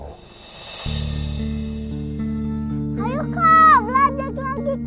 ayo kak belajar lagi kak